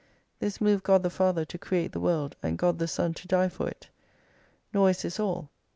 This moved God the Father to create the world, and <jod the Son to die for it. Nor is this all.